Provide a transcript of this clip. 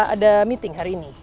ada meeting hari ini